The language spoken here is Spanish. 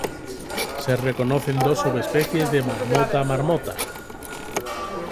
Se reconocen dos subespecies de "Marmota marmota".